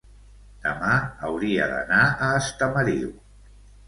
demà hauria d'anar a Estamariu.